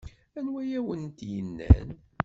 Anwa ay awent-yennan?